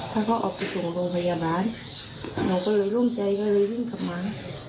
ถ้าเขาเอาไปส่งโรงพยาบาลเราก็เลยร่วมใจก็เลยวิ่งกลับมา